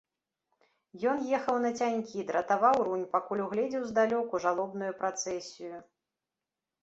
Ён ехаў нацянькі, дратаваў рунь, пакуль угледзеў здалёку жалобную працэсію.